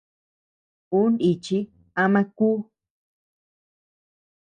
Ú níchi ama kú.